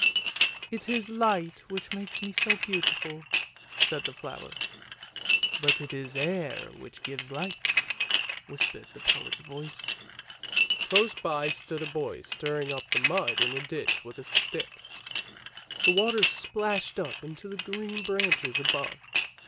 "It is light which makes me so beautiful," said the flower. " But it is air which gives light! " whispered the poet's voice. Close by stood a boy stirring up the mud in a ditch with a stick; the water splashed up into the green branches above.